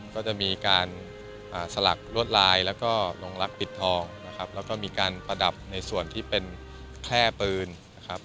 ก็จะมีการสลักลวดลายแล้วก็ลงรักปิดทองนะครับแล้วก็มีการประดับในส่วนที่เป็นแค่ปืนนะครับ